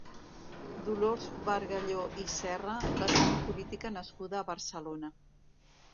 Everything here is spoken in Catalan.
Dolors Bargalló i Serra va ser una política nascuda a Barcelona.